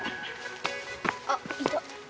あっいた。